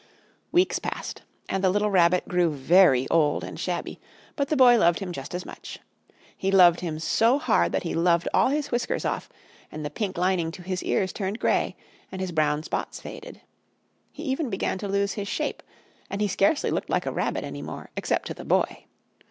Weeks passed, and the little Rabbit grew very old and shabby, but the Boy loved him just as much. He loved him so hard that he loved all his whiskers off, and the pink lining to his ears turned grey, and his brown spots faded. He even began to lose his shape, and he scarcely looked like a rabbit any more, except to the Boy.